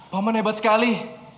paman hebat sekali